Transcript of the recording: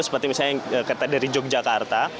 seperti misalnya kereta dari yogyakarta